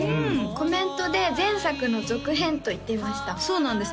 コメントで前作の続編と言っていましたそうなんです